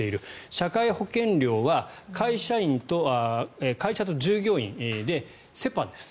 社会保険料は会社と従業員で折半です。